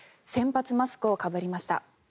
先発マスクをかぶりました。